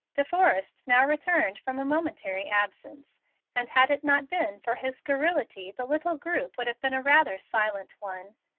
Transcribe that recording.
De Forrest now returned from a momentary absence, and had it not been for his garrulity the little group would have been a rather silent one.